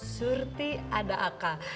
surti ada akal